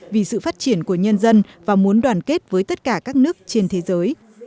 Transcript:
vì sự phát triển của nhân dân và muốn đoàn kết với tất cả các nước trên thế giới